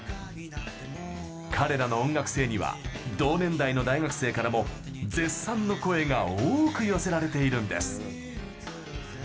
彼らの音楽性には同年代の大学生からも絶賛の声が多く寄せられているんです。